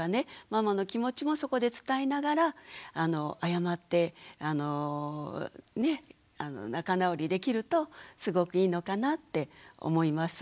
ママの気持ちもそこで伝えながら謝って仲直りできるとすごくいいのかなって思います。